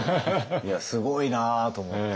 いやすごいなと思って。